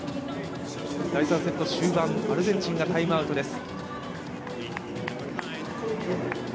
第３セット終盤アルゼンチンがタイムアウトです。